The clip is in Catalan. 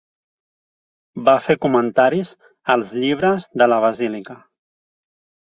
Va fer comentaris als llibres de la Basílica.